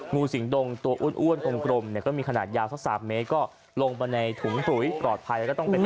งูสิงดงตัวอ้วนกลมเนี่ยก็มีขนาดยาวสัก๓เมตรก็ลงไปในถุงปุ๋ยปลอดภัยแล้วก็ต้องเป็น